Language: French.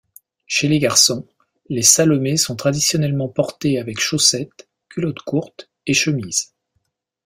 Chez les garçons, les salomés sont traditionnellement portés avec chaussettes, culotte courte, et chemise.